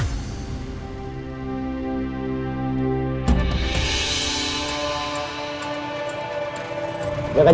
jangan kejar keren